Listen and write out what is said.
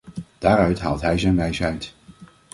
Daaruit haalt hij zijn wijsheid.